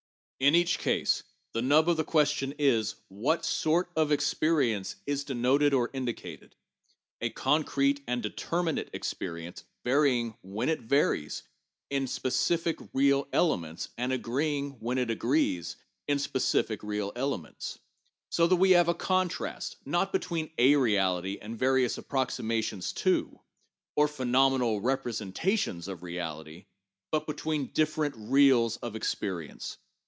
In each case, the nub of the question is, what sort of experience is meant or indicated : a concrete and determinate experience, vary ing, when it varies, in specific real elements, and agreeing, when it agrees, in specific real elements, so that we have a contrast, not between o Reality, and various approximations to, or phenomenal representations of Reality, but between different reals of experience.